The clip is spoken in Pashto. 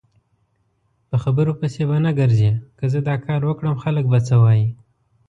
په خبرو پسې به نه ګرځی که زه داکاروکړم خلک به څه وایي؟